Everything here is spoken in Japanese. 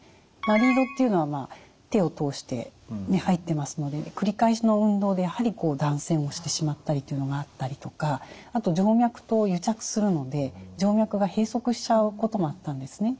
リードっていうのは手を通して入ってますので繰り返しの運動でやはり断線をしてしまったりというのがあったりとかあと静脈と癒着するので静脈が閉塞しちゃうこともあったんですね。